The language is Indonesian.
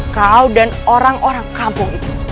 kau dan orang orang kampung itu